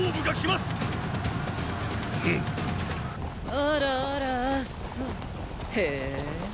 あらあらあっそへー。